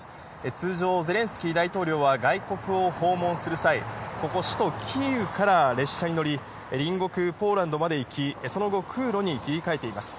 通常、ゼレンスキー大統領は外国を訪問する際、ここ首都キーウから列車に乗り、隣国ポーランドまで行き、その後、空路に切り替えています。